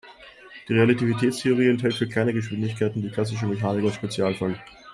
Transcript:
Die Relativitätstheorie enthält für kleine Geschwindigkeiten die klassische Mechanik als Spezialfall.